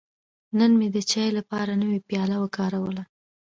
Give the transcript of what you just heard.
نن مې د چای لپاره نوی پیاله وکاروله.